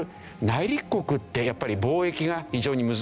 内陸国ってやっぱり貿易が非常に難しくなる。